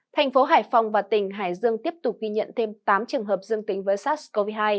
thành phố hải phòng và tỉnh hải dương tiếp tục ghi nhận thêm tám trường hợp dương tính với sars cov hai